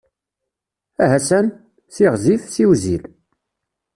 Aha san! Siɣzif, siwzil.